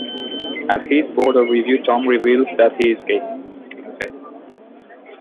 At his board of review Tom reveals that he is gay.